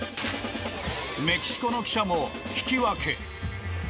メキシコの記者も引き分け。